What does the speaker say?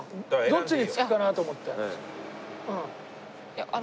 どっちにつくかなと思って。